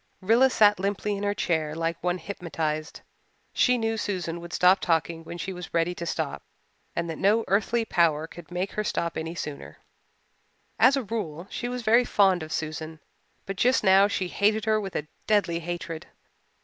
Rilla sat limply in her chair like one hypnotized. She knew Susan would stop talking when she was ready to stop and that no earthly power could make her stop any sooner. As a rule, she was very fond of Susan but just now she hated her with a deadly hatred.